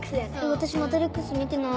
私『マトリックス』見てない。